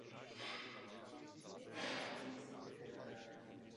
Doplňuje je šest vodních kanónů.